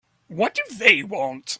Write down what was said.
What do they want?